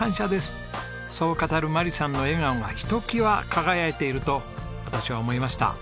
そう語る眞理さんの笑顔がひときわ輝いていると私は思いました。